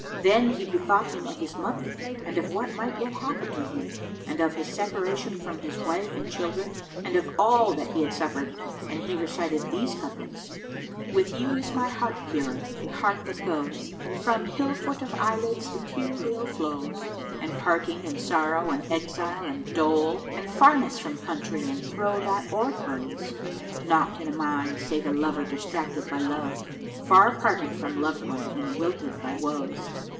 Then he bethought him of his mother and of what might yet happen to him and of his separation from his wife and children and of all that he had suffered, and he recited these couplets, "With you is my heart cure a heart that goes; * And from hill foot of eyelids the tear rill flows: And parting and sorrow and exile and dole * And farness from country and throe that o'erthrows: Naught am I save a lover distracted by love, * Far parted from loved one and wilted by woes.